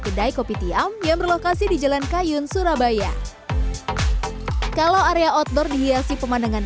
kedai kopi tiam yang berlokasi di jalan kayun surabaya kalau area outdoor dihiasi pemandangan